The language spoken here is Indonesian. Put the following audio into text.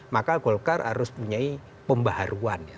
maka golkar harus punya pembaharuan ya